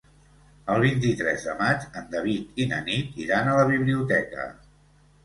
El vint-i-tres de maig en David i na Nit iran a la biblioteca.